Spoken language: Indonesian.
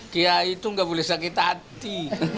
kiai itu nggak boleh sakit hati